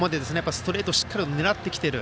ストレートをしっかり狙ってきている。